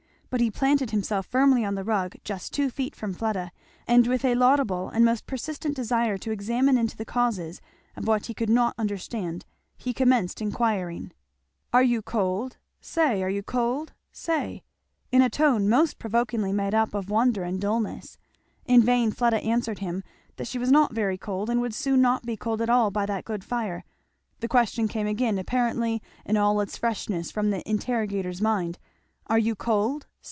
but he planted himself firmly on the rug just two feet from Fleda, and with a laudable and most persistent desire to examine into the causes of what he could not understand he commenced inquiring, "Are you cold? say! Are you cold? say!" in a tone most provokingly made up of wonder and dulness. In vain Fleda answered him, that she was not very cold and would soon not be cold at all by that good fire; the question came again, apparently in all its freshness, from the interrogator's mind, "Are you cold?